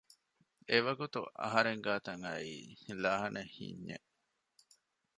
އެވަގުތު އަހަރެން ގާތަށް އައީ ލާނެތް ހިންޏެއް